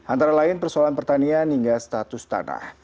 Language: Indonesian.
antara lain persoalan pertanian hingga status tanah